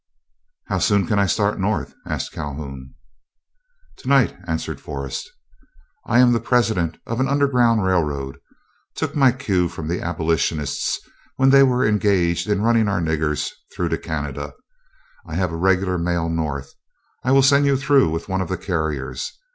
"How soon can I start North?" asked Calhoun. "To night," answered Forrest. "I am the president of an underground railroad, took my cue from the Abolitionists when they were engaged in running our niggers through to Canada. I have a regular mail North. I will send you through with one of the carriers.